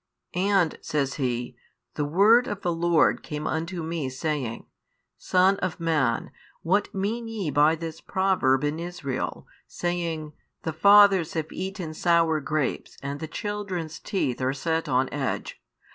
And, says he, the word of the Lord came unto me, saying, Son of man, what mean ye by this proverb in Israel, saying, The fathers have eaten sour grapes and the children's teeth are set on edge?